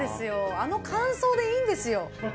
あの感想でいいんですよ。